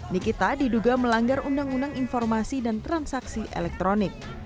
nikita diduga melanggar undang undang informasi dan transaksi elektronik